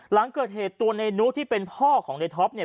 หลังเกิดเหตุตัวในนุที่เป็นพ่อของในท็อปเนี่ย